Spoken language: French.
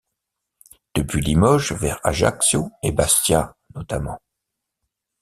Depuis Limoges vers Ajaccio et Bastia notamment.